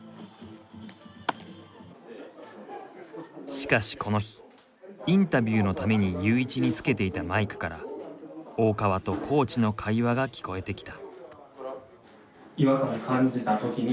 しかしこの日インタビューのためにユーイチに付けていたマイクから大川とコーチの会話が聞こえてきた。